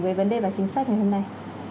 với vấn đề và chính sách ngày hôm nay